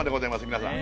皆さん。